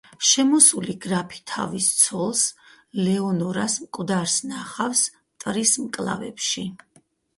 შემოსული გრაფი თავის ცოლს, ლეონორას მკვდარს ნახავს მტრის მკლავებში.